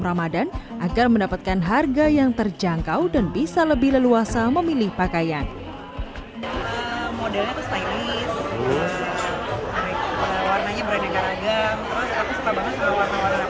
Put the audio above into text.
ramadan agar mendapatkan harga yang terjangkau dan bisa lebih leluasa memilih pakaian modelnya stylist